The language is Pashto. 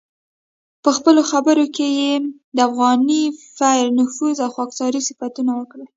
په خپلو خبرو کې یې د افغاني پیر نفوذ او خاکساري صفتونه وکړل.